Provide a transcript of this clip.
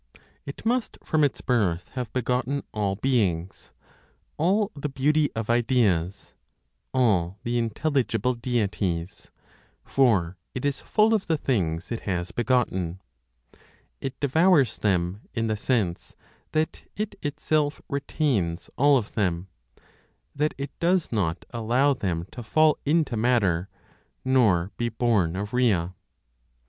It must, from its birth, have begotten all beings, all the beauty of ideas, all the intelligible deities; for it is full of the things it has begotten; it devours them in the sense that it itself retains all of them, that it does not allow them to fall into matter, nor be born of Rhea.